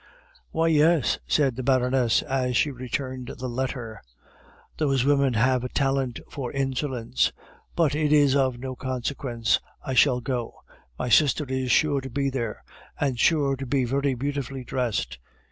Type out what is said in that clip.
"Why, yes," said the Baroness as she returned the letter. "Those women have a talent for insolence. But it is of no consequence, I shall go. My sister is sure to be there, and sure to be very beautifully dressed.